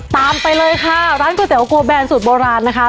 ตามไปเลยค่ะร้านก๋วยเตี๋ยวกูโอแบรนด์สูตรโบราณนะคะ